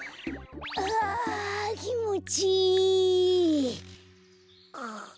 ああきもちいい。